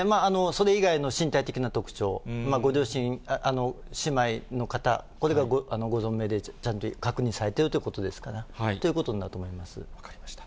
それ以外の身体的な特徴、ご両親、姉妹の方、例えばご存命でちゃんと確認されているということですから、分かりました。